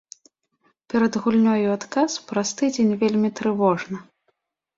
Перад гульнёй у адказ праз тыдзень вельмі трывожна.